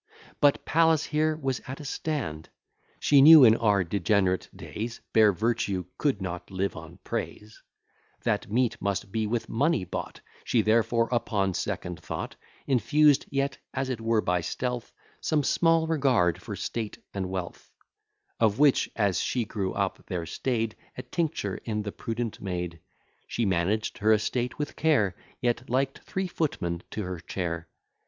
But Pallas here was at a stand; She knew, in our degenerate days, Bare virtue could not live on praise; That meat must be with money bought: She therefore, upon second thought, Infused, yet as it were by stealth, Some small regard for state and wealth; Of which, as she grew up, there staid A tincture in the prudent maid: She managed her estate with care, Yet liked three footmen to her chair.